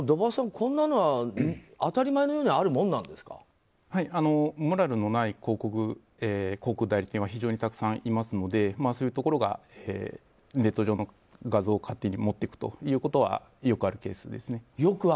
こんなのは当たり前のようにモラルのない広告代理店はたくさんいますのでそういうところがネット上の画像を勝手に持っていくということはよくあるケースです。